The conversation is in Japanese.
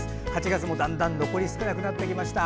８月もだんだん残り少なくなってきました。